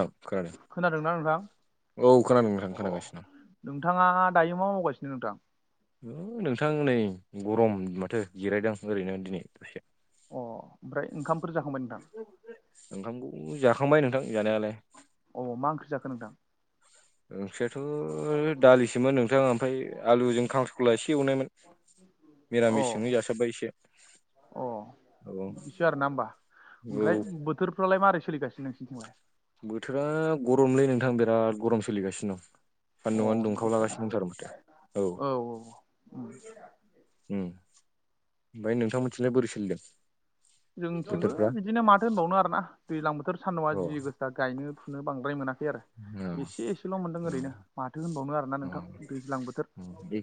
औ खोनादों खोनादोंना नोंथां औ खोनादों नोंथां अ खोनागासिनों। नोंथाङा दायो मा मावगासिनो नोंथां? नोंथां नै गरम माथो जिरायदों ओरैनो दिनै दसे। अ ओमफ्राय ओंखामफोर जाखांबाय नोंथां? ओंखामखौ जाखांबाय नोंथां जानायालाय। अ मा ओंख्रि जाखो नोंथां? ओंख्रियाथ' दालिसोमोन नोंथां ओमफ्राय आलुजों खांख्रिंखला एसे एवनायमोन। अ निरामिसजोंनो जासाबबाय एसे। अ औ बिसो आरोना होमबा। औ ओमफ्राय बोथोरफ्रालाय मारै सोलिगासिनो नोंसिनिथिंलाय? बोथोरा गरमलै नोंथां बिराद गरम सोलिगासिनो दं। अ सान्दुंआनो बिदिसो आरोना दुंखावलागासिनो दंथार माथो औ। उम उम ओमफ्राय नोंथां मोनथिलाय बोरै सोलिदों? जोंथिंबो बोथोरफ्रा बिदिनो माथो होनबावनो आरोना दैज्लां बोथोर सानदुुंआ अ जि गोस दा गायनो फुनो बांद्राय मोनाखै आरो। अ एसे एसेल' मोनदों अ ओरैनो माथो होनबावनो आरोना नोंथां दैज्लां बोथोर। अ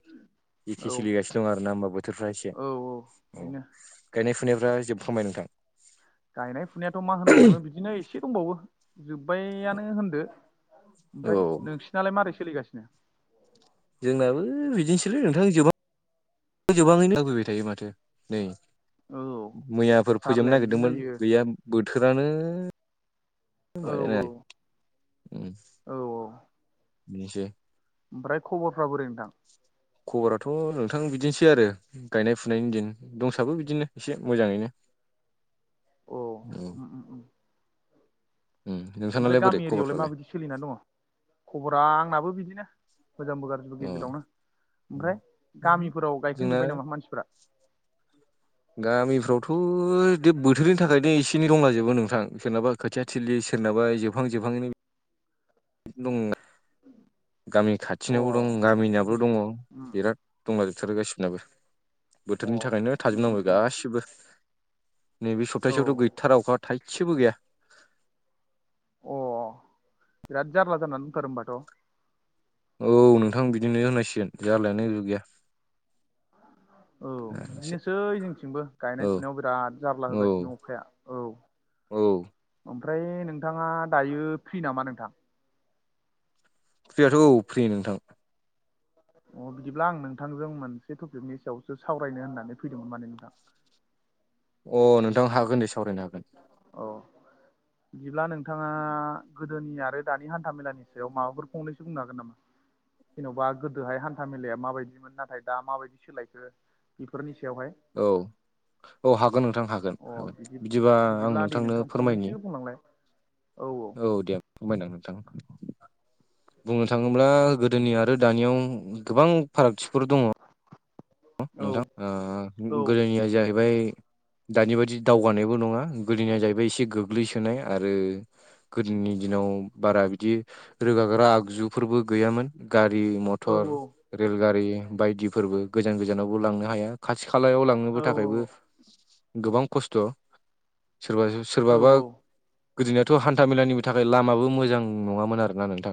एखे औ सोलिगासिनो दं आर ना होनोमबा बोथोरफ्रा एसे औ। गायनाय फुनायफ्रा जोबफ्रामबाय नोंथां? गायनाय फुनायाथ' मा होनबावनो बिदिनो एसे दंबावो जोब्बायानो होनदो। औ ओमफ्राय नोंसिनालाय मारै सोलिगासिनो? जोंनाबो बिदिनोसैलै नोंथां जोब जोबाङैनो आगैबाय थायो माथो नै औ मैयाफोर फोजोबनो जारलाया बिदिनो नागिरदोंमोन जायो गैया बोथोरानो औ [unintelligible] औ औ। निसै ओमफ्राय खबरफ्रा बोरै नोंथां? खबराथ' नोंथां बिदिनोसै आरो। गायनाय फुनायनि दिन दंसाबो बिदिनो एसे मोजाङैनो। [inaudible] औ। औ औ उम ओमफ्राय नोंथांनालाय बोरै गामि एरियायावलाय खबरफ्रालाय माबायदि सोलिना दङ खबरा आंनाबो बिदिनो मोजांबो गार जिबो अ गेजेरावनो ओमफ्राय गामिफोराव जोंना गायखांजोब्बाय नामा मानसिफ्रा? गामिफ्रावथ' दि बोथोरनि थाखायनो एसे एनै दंलाजोबो नोंथां सोरनाबा खोथिया थिलि सोरनाबा जोबहां जोबहांङैनो [inaudible] दङ आर गामि अ खाथिनाबो दं बिदि गामिनाबो दङ उम बिराद दंलाजोबथारो गासिबनाबो। अ बोथोरनि थाखायनो उम उम थाजोबनांगौ उम गासिबो। नैबे औ सपथासेयावथ गैथारा अखा थाइसेबो गैया। अ बिराद जारला जानानै दथारो होनोमबाथ'। औ नोंथां बिदिनो होननांसिगोन जारलायानो जुत गैया। औ बिदिनोसै जोंथिंबो औ गायनाय फुनायाव बिराद जार्ला औ होगासिनो अखाया औ औ [inaudible] ओमफ्राय नोंथाङा दायो फ्रि नामा नोंथां? फ्रियाथ' औ फ्रि नोंथां। अ बिदिब्ला आं नोंथांजों मोनसे टपिकनि सायावसो सावरायनो होननानै फैदोंमोन माने नोंथां। अ नोंथां हागोन दे सावरायनो हागोन। औ। बिदिब्ला नोंथाङा गोदोनि आरो दानि हान्थामेलानि सायाव माबाफोर फंनैसो बुंनो हागोन नामा? जेन'बा गोदोहाय हान्था मेलाया माबायदिमोन नाथाय दा माबायदि सोलायखो। बेफोरनि सायावहाय। औ औ हागोन नोंथां हागोन अ हागोन बिदि बिदिबा आं बिदिब्ला दे नोंथां नोंथांनो फोरमायनो फंनैसो बुंलांलाय। औ। औ दे आं खमायना नोंथां। बुंनो थाङोब्ला गोदोनि आरो दानियाव गोबां फारागथिफोर दङ नोंथां ओ औ गोदोनिया जाहैबाय दानि बायदि दावगानायबो नङा गोदोनाया जाहैबाय एसे गोग्लैसोनाय आरो गोदोनि दिनाव बारा बिदि रोगाग्रा आगजुफोरबो गैयामोन गारि मथर औ औ रेलगारि बायदिफोरबो गोजान गोजानावबो लांनो हाया खाथि खालायाव औ लांनोबो थाखायबो गोबां खस्थ' सोरबा सोरबाबा औ औ गोदोनिआथ' हान्था मेलानिबो थाखाय लामाबो मोजां नङामोन आरोना नोंथां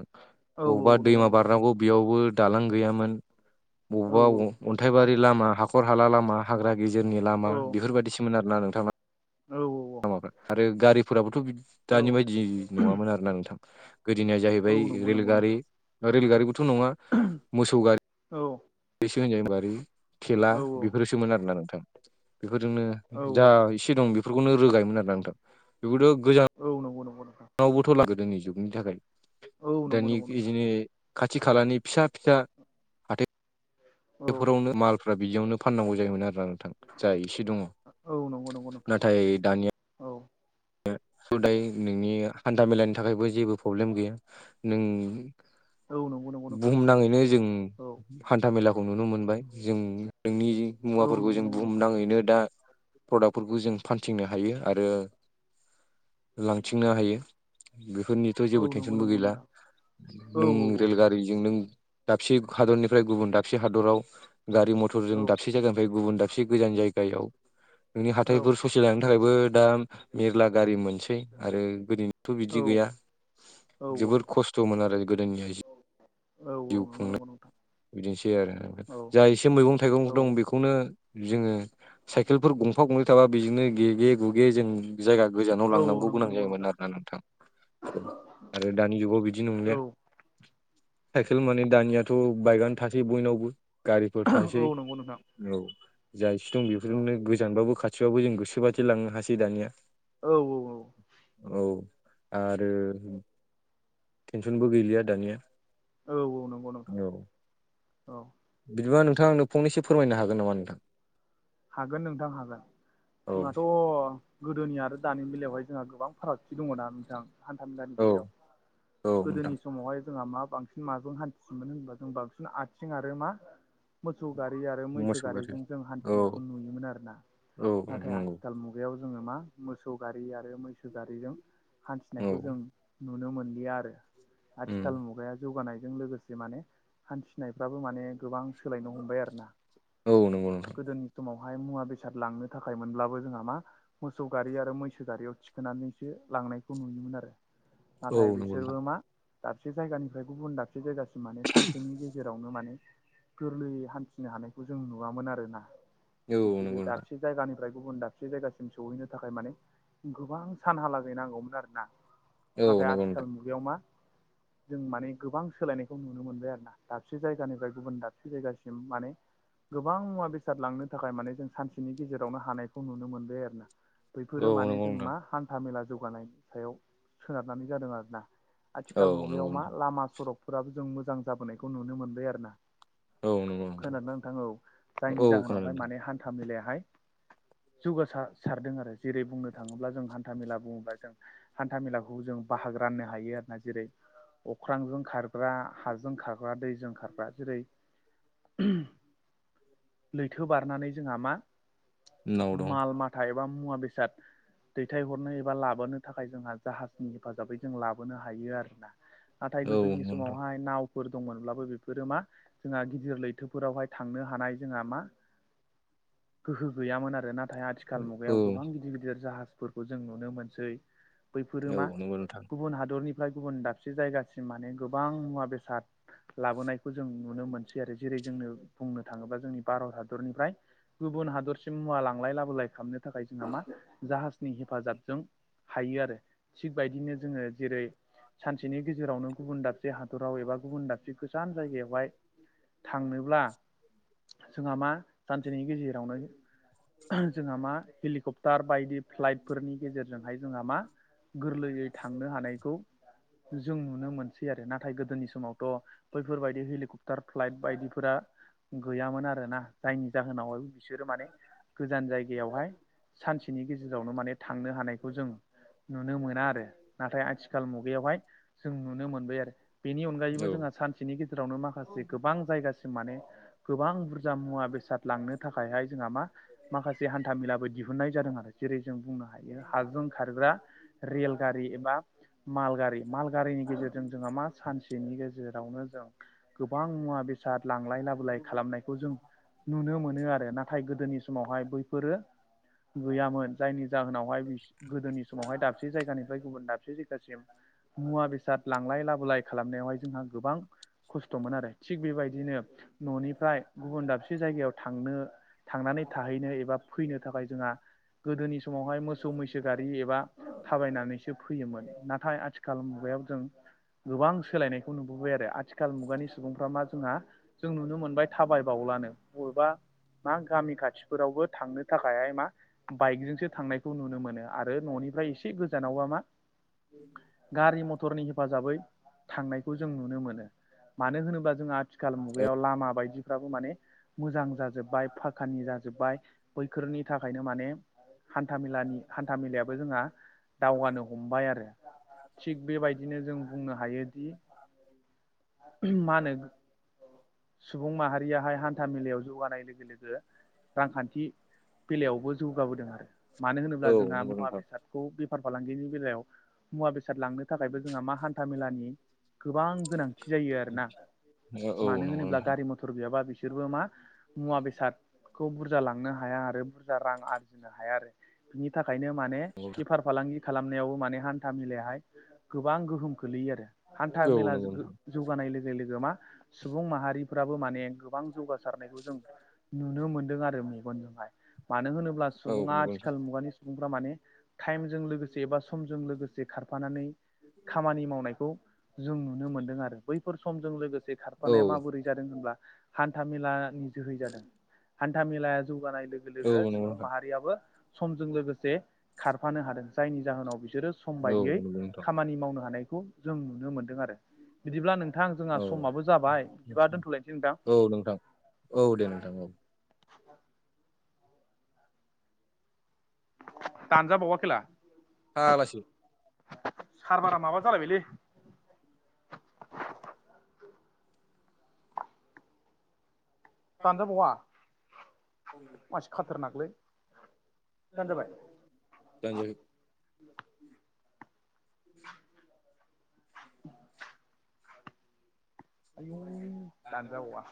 औ बबावबा नंगौ दैमा नंगौ बारनांगौ बेयावबो दालां गैयामोन औ बबावबा अन्थाइबारि लामा हाखर हाला लामा हाग्रा गेजेरनि औ लामा बेफोरबायदिसोमोन आरोना नोंथां औ लामाफ्रा आरो गारिफोराबोथ' औ बि-दानि औ बायदि नङामोन आरोना नोंथां। गोदोनिया औ जाहैबाय नंगौ नंगौ रेलगारि नोंथां रेलगारिबोथ' नङा मोसौ गारि औ रिसो होनजाय गारि थेला औ बेफोरसोमोन आरोना नोंथां बेफोरजोंनो औ जा इसे दं बेफोरखौनो रोगायोमोन आरोना नोंथां बेखौथ' गोजाम औ नंगौ नंगौ नोंथां। नावबोथ' ला गोदोनि जुगनि थाखाय औ नंगौ दानि नंगौ नोंथां इदिनो खाथि खालानि फिसा फिसा औ बेफोरावनो मालफ्रा बिदियावनो फाननांगौ जायोमोन आरो नोंथां। जा इसे दङ औ नंगौ नंगौ नोंथां नाथाय दानिया औ ओ हदाय नोंनि हान्था मेलानि थाखायबो जेबो प्रब्लेम गैया नों औ नंगौ नंगौ नोंथां बुहुमनाङैनो जों औ हान्था मेलाखौ नुनो मोनबाय जों नोंनि औ मुवाफोरखौ नंगौ जों नंगौ नोंथां बुहुमनाङैनो दा प्रडाक्टफोरखौ जों फानथिंनो हायो आरो लांथिंनो हायो बेफोरनि थ' औ जेबो नंगौ टेनसनबो नंगौ गैला। नोंथां औ [inaudible] नों रेलगारिजों नों दाबसे हादरनिफ्राय गुबुन दाबसे हादराव गारि मथरजों दाबसे औ जायगानिफ्राय गुबुन दाबसे गोजान जायगायाव नोंनि औ हाथाइफोर ससेलांनो थाखायबो दा मेरला गारि मोनसै आरो गोदोनिथ' बिदि गैया। जोबोर खस्थ'मोन आरो गोदोनि जि औ [inaudible] जिउ नंगौ खुंनाय नंगौ नोंथां बिदिनोसै आरो औ जा एसे मैगं थाइगं औ दं बेखौनो जोङो साइकेलफोर गंफा गंनै थाबा बेजोंनो गेगे गुगे जों जायगा गोजानाव औ लांनांगौ नंगौ गोनां नंगौ जायोमोन आरो ना नोंथां। औ आरो दानि जुगाव बिदि औ नंलिया। औ साइकेल माने दानियाथ' बाइकआनो थासै बयनावबो गारिफोर थासै नंगौ नोंथां औ जा इसे दं बेफोरजोंनो गोजानबाबो खाथिबाबो जों गोसोबादि लांनो हासै दानिया औ-औ-औ औ आरो टेनसनबो गैलिया दानिया औ नंगौ नोंथां औ औ बिदिबा नोंथां फंनैसो फोरमनो हागोन नामा नोंथां हागोन नोंथां हागोन औ जोंहाथ' गोदोनि आरो दानि बेलायावहाय जोंहा गोबां फारागथि दङ ना नोंथां? हान्था मेलानि औ बेलायाव औ नोंथां गोदोनि समावहाय जोंहा मा बांसिन माजों हान्थिसिनोन होनबा जों बांसिन आथिं आरो मा मोसौ गारि आरो मैसो मोसौ गारि गारिजों जों औ हान्थिनायखौ नुयोमोन आरोना औ नाथाय नंगौ आथिखाल मु बेयाव जोङो मा मोसौ गारि आरो मैसो गारिजों औ हान्थिनायखौ जों नुनो मोनलिया आरो आथिखाल उम मुगाया जौगानायजों लोगोसे माने हान्थिनायफ्राबो माने गोबां सोलायनो हमबाय आरो ना। औ नंगौ नोंथा गोदोनि समावहाय मुवा बेसाद लांनो थाखाय मोनब्लाबो जोंहा मा? मोसौ गारि आरो मैसो गारियाव थिखोनानैसो लांनायखौ नुयोमोन आरो। औ नाथाय नंगौ नोंथां बिसोरबो मा दाबसे जायगानिफ्राय गुबुन दाब दाबसे जायगासिम माने सानसेनि गेजेरावनो माने गोरलैयै हान्थिनो हानायखौ जों नुवामोन आरोना। औ बिसोरो नंगौ नोंथां दाबसे जायगानिफ्राय गुबुन दाबसे जायगासिम सहैनो थाखाय माने गोबां सानहालागै नांगौमोन आरोना औ नाथाय आथिखाल मुगायाव मा? जों माने गोबां सोलायनायखौ नुनो मोनबाय आरो ना। दाबसे जायगानिफ्राय गुबुन दाबसे जायगासिम माने गोबां मुवा बेसे फोसारलांनो थाखाय माने जों सानसेनि गेजेरावनो हानायखौ नुनो मोनबाय आरो ना। बैफोरो माने नंगौ जों नोंथां मा हान्था मेला जौगानायनि सायाव सोनारनानै जादों आरोना। औ नंगौ नोंथां औ आथिखाल नंगौ मुगायाव मा नोंथां लामा सरकफोराबो जों मोजां जाबोनायखौ नुनो मोनबाय आरो ना। औ नंगौ खोनादों नोंथां औ जायनि औ खोनादों जाहोनावहाय नोंथां माने हान्था मेलायाहाय जौगासार सारदों आरो जेरै बुंनो थाङोब्ला जों हान्था मेला बुङोब्ला जों हान्था मेलाखौ जों बाहागो राननो हायो आरो ना जेरै अख्रांजों खारग्रा हाजों खारग्रा दैजों खारग्रा जेरै लैथो बारनानै जोंहा मा उनाव दं माल माथा एबा मुवा बेसाद दैथायहरनो एबा लाबोनो थाखाय जोंहा जाहाजनि हेफाजाबै जों लाबोनो हायो आरोना। नाथाय औ गोदोनि नंगौ नोंथां समावहाय नाव फोर दंमोनब्लाबो बेफोरो मा जोंहा गिदिर लैथोफोरावहाय थांनो हानाय जोंहा मा गोहो गैयामोन आरो नाथाय आथिखाल औ मुगायाव गोबां गिदिर गिदिर जाहाज फोरखौ जों नुनो मोनसै बैफोरो औ मा नंगौ नोंथां गुबुन हादरनि ओमफ्राय गुबुन दाबसे जायगासिम माने गोबां मुवा बेसाद लाबोनायखौ जों नुनो मोनसै आरो जेरै जोंनो बुंनो थाङोब्ला जोंनि भारत हादरनिफ्राय गुबुन हादरसिम मुवा लांलाय लाबोलाय खालामनो थाखाय जोंहा मा जाहाजनि हेफाजाबजों हायो आरो थिग बायदिनो जोङो जेरै सानसेनि गेजेरावनो गुबुन दाबसे हादराव एबा गुबुन दाबसे गोजान जायगायावहाय थांनोब्ला [unintelligible] जोंहा मा सानसेनि गेजेरावनो जोंहा मा हेलिकप्टार बायदि फ्लाइटफोरनि गेजेरजोंहाय जोंहा मा गोरलैयै थांनो हानायखौ जों नुनो मोन सै आरो नाथाय गोदोनि समावथ' बैफोरबायदि हेलिकप्टार फ्लाइट बायदिफोरा गैयामोन आरोना जायनि जाहोनाव बिसोरो माने गोजान जायगायावहाय सानसे बिनि गेजेरावनो माने थांनो हानायखौ जों नुनो मोना आरो नाथाय आथिखाल मुगायावहाय जों नुनो मोनबाय आरो बेनि औ अनगायैबो जोंहा सानसेनि गेजेरावनो माखासे गोबां जायगासिम माने गोबां बुरजा मुवा बेसाद लांनो थाखायहाय जोंहा मा माखासे हान्था मेलाबो दिहुननाय जादों आरो जेरै जों बुंनो हायो हाजों खारग्रा रेल गारि एबा माल गारि माल गारिनि गेजेरजों जोंहा मा सानसेनि गेजेरावनो जों गोबां मुवा बेसाद लांलाय ला खालामनायखौ जों नुनो मोनो आरो नाथाय गोदोनि समावहाय बैफोरो गैयामोन जायनि जाहोनावहाय बिस गोदोनि समावहाय दाबसे जायगानिफ्राय गुबुन दाबसे जायगासिम मुवा बेसाद लांलाय लाबोलाय खालामनायावहाय जोंहा गोबां खस्थ'मोन आरो थिग बेबायदिनो न'निफ्राय गुबुन दाबसे जायगायाव थांनो थांनानै थाहैनो एबा फैनो थाखाय जोंहा गोदोनि समावहाय मोसौ मैसो गारि एबा थाबायनानैसो फैयोमोन नाथाय आथि खाल मुगायाव जों गोबां सोलायनायखौ नुबोबाय आरो आथिखाल मुगानि सुबुंफ्रा मा जोंहा जों नुनो मोनबाय थाबायबावलानो बबेबा मा गामि खाथिफोरावबो थांनो थाखायहाय मा बाइकजोंसो थांनायखौ नुनो मोनो आरो न'निफ्राय एसे गोजानावबा मा [inaudible] गारि मथरनि हेफाजाबै थांनायखौ जों नुनो मोनो मानो होनोब्ला जोंहा आथि औ बेयाव लामा बायदिफ्राबो माने मोजां जाजोब्बाय फाक्कानि जाजोब्बाय बैफोरनि थाखायनो माने हान्था मेलानि हान्था मेलायाबो जोंहा दावगानो हमबाय आरो। थिग बेबायदिनो जों बुंनो हायोदि मा होनो सुबुं माहारियाहाय हान्था मेलायाव जौगानाय लोगो लोगो रांखान्थि बेलायावबो जौगाबोदों आरो मानो होनोब्ला औ जोंहा नंगौ मुवा नोंथां बेसाद खौ बेफार फालांगिनि बेलायाव मुवा बेसाद लांनो थाखायबो जोंहा मा हान्था मेलानि गोबां गोनांथि जायो आरोना। औ नंगौ नोंथां औ मानो नंगौ होनोब्ला नोंथां गारि मथर गैयाबा बिसोरबो मा मुवा बेसाद खौ बुरजा लांनो हाया आरो बुरजा आरजिनो हाया आरो बिनि थाखायनो माने औ बेफार फालांगि खालामनायावबो माने हान्था मेलायाहाय गोबां गोहोम खोलैयो आरो। हान्था मेला नंगौ जोगो नोंथां जौगानाय लोगो लोगो मा सुबुं माहारिफ्राबो माने गोबां जौगासारनायखौ जों नुनो मोन्दों आरो मेगनजोंहाय मानो होनोब्ला औ सुबुङा नंगौ आथिखाल मुगानि सुबुंफ्रा माने टाइमजों लोगोसे एबा समजों लोगोसे खारफानानै खामानि मावनायखौ जों नुनो मोनदों आरो बैफोर समजों लोगोसे खार फानाया माबोरै जादों होनब्ला हान्था मेलानि जोहै जादों हान्था मेलाया जौगानाय लो गो लोगो सुबुं नोंथां माहारियाबो समजों लोगोसे खारफानो हादों जायनि जाहोनाव बिसोरो सम औ बायदियै नंगौ नोंथां खामानि मावनो हानायखौ जों नुनो मोनदों आरो। बिदिब्ला नोंथां जोंहा औ समाबो जाबाय बिदिबा दोन्थ'लायसै नोंथां। औ नोंथां औ दे नोंथां औ। दानजा बावा खेला। फाग्लासो। सारबारा माबा जालायबायलै। दानजाबावा मानसि खाथार नागलै दान जाबाय द [unintelligible] आयु दानजावा